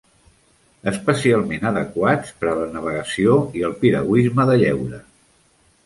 Especialment adequats per a la navegació i el piragüisme de lleure.